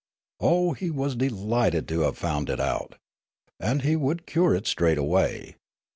Oh, he was delighted to have found it out ! And he would cure it straightway.